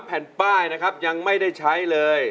แผ่นป้ายนะครับยังไม่ได้ใช้เลย